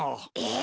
え